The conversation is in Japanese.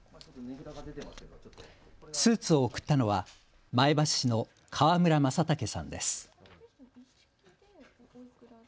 スーツを贈ったのは前橋市の河村正剛さんです。